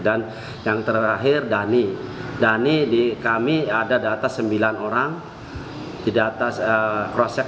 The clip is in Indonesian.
dan yang terakhir dani dani kami ada data sembilan orang di data crosscheck